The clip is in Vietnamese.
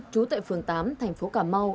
trú tại phường tám thành phố cà mau